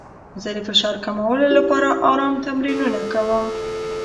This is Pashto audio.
زه د فشار کمولو لپاره ارام تمرینونه کوم.